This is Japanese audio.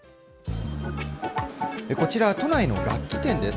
こちら、都内の楽器店です。